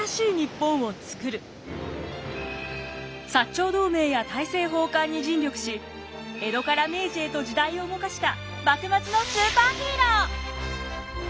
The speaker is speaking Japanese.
長同盟や大政奉還に尽力し江戸から明治へと時代を動かした幕末のスーパーヒーロー！